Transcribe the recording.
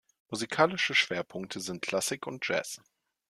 Musikalische Schwerpunkte sind Klassik und Jazz.